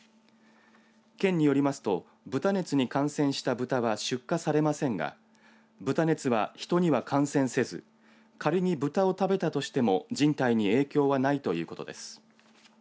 県によりますと豚熱に感染したブタは出荷されませんが豚熱は、人には感染せず仮にブタを食べたとしても人体に影響はないということです。